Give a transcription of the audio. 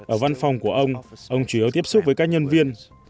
ở văn phòng của ông ông chủ yếu tiếp xúc với các nhân viên